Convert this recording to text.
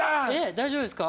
大丈夫ですか？